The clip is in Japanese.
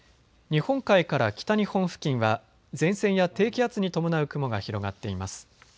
日本海から北日本付近は前線や低気圧に伴う雲が広がっています。